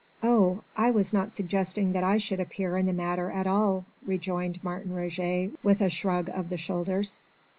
"Oh! I was not suggesting that I should appear in the matter at all," rejoined Martin Roget with a shrug of the shoulders.